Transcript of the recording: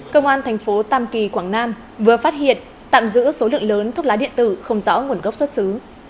công an thành phố tam kỳ quảng nam vừa phát hiện tạm giữ số lượng lớn thuốc lá điện tử không rõ nguồn gốc xuất xứ